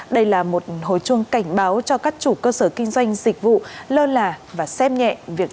đây là một hồi chuông cảnh báo cho các chủ cơ sở kinh doanh dịch vụ lơ là và xem nhẹ việc